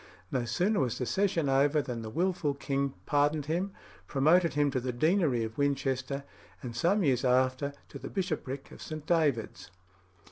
No sooner was the session over than the wilful king pardoned him, promoted him to the deanery of Winchester, and some years after to the bishopric of St. David's.